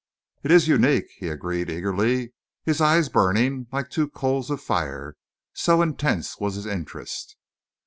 "It is unique," he agreed eagerly, his eyes burning like two coals of fire, so intense was his interest.